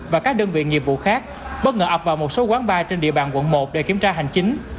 và các đơn vị nghiệp vụ khác bất ngờ ập vào một số quán bar trên địa bàn quận một để kiểm tra hành chính